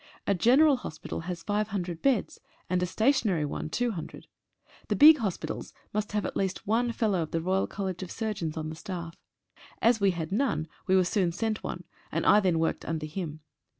A general hospital has five hundred beds, and a. stationary one two hundred. The big hospitals must have at least one F.R.C.S. on the staff. As we had none we were soon sent one, and I then worked under him.